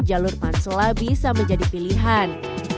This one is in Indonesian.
jalur pansela bisa menjadi pilihan